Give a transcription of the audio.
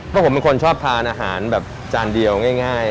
ก็ผมเป็นคนชอบทานอาหารแบบจานเดียวง่าย